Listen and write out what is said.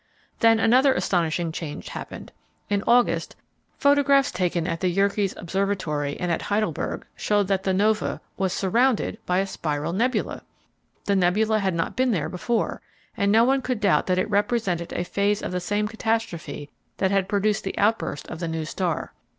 Then another astonishing change happened: in August photographs taken at the Yerkes Observatory and at Heidelberg showed that the "nova" was surrounded by a spiral nebula! The nebula had not been there before, and no one could doubt that it represented a phase of the same catastrophe that had produced the outburst of the new star.